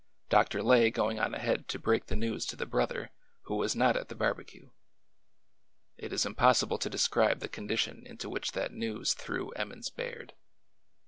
Dr. Lay going on ahead to break the news to the brother, who was not at the barbecue. It is impossible to describe the condition into which that news threw Em i mons Baird.